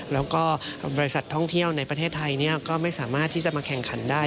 แล้วก็บริษัทท่องเที่ยวในประเทศไทยก็ไม่สามารถที่จะมาแข่งขันได้